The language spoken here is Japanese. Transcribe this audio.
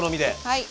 はい。